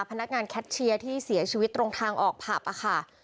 พนักงานแคทเชียร์ที่เสียชีวิตตรงทางออกผับค่ะ